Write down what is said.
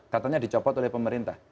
katanya dicopot oleh pemerintah